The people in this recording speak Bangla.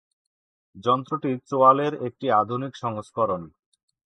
যন্ত্রটি চোয়ালের একটি আধুনিক সংস্করণ।